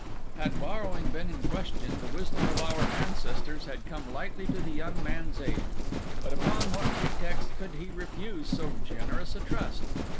Had borrowing been in question, the wisdom of our ancestors had come lightly to the young man's aid; but upon what pretext could he refuse so generous a trust?